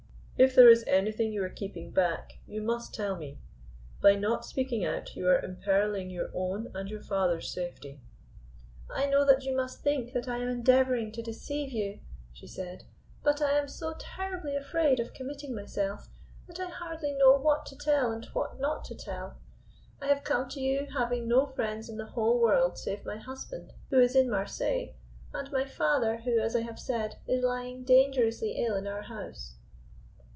If there is anything you are keeping back you must tell me. By not speaking out you are imperilling your own and your father's safety." "I know that you must think that I am endeavoring to deceive you," she said; "but I am so terribly afraid of committing myself that I hardly know what to tell and what not to tell. I have come to you, having no friends in the whole world save my husband, who is in Marseilles, and my father, who, as I have said, is lying dangerously ill in our house.